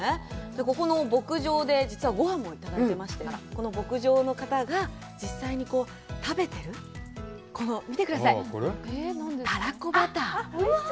ここの牧場で実はごはんもいただいてまして、この牧場の方が実際に食べてる、見てください。